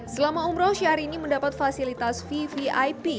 selama umroh syahrini mendapat fasilitas vvip